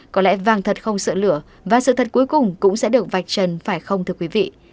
có lẽ vàng thật không sợ lửa và sự thật cuối cùng cũng sẽ được vạch trần phải không thưa quý vị